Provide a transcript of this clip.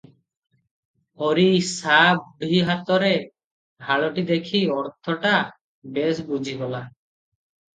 ହରି ସା ବୁଢ଼ୀ ହାତରେ ଢାଳଟି ଦେଖି ଅର୍ଥଟା ବେଶ ବୁଝିଗଲା ।